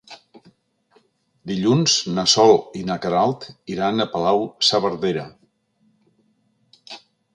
Dilluns na Sol i na Queralt iran a Palau-saverdera.